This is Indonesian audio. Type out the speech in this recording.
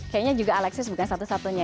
kayaknya juga alexis bukan satu satunya